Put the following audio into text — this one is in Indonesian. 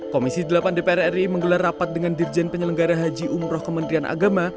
komisi delapan dpr ri menggelar rapat dengan dirjen penyelenggara haji umroh kementerian agama